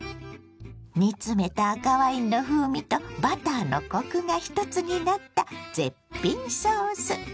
煮詰めた赤ワインの風味とバターのコクが一つになった絶品ソース。